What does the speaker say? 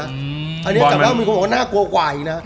อันนี้หลังจากนั้นมีคนบอกว่าหน้าวกว่ายังนะ